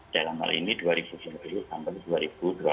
dalam hal ini dua ribu dua puluh sampai dua ribu dua puluh dua